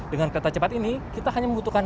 dengan kereta cepat ini kita hanya membutuhkan